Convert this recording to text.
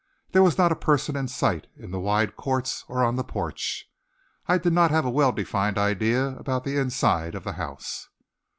There was not a person in sight in the wide courts or on the porch. I did not have a well defined idea about the inside of the house.